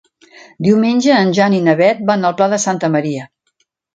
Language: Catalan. Diumenge en Jan i na Beth van al Pla de Santa Maria.